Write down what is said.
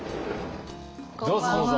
どうぞどうぞ。